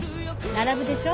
並ぶでしょ？